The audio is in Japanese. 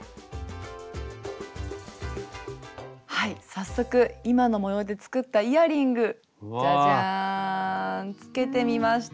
はい早速今の模様で作ったイヤリングじゃじゃんつけてみました。